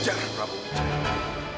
jangan prabu wijaya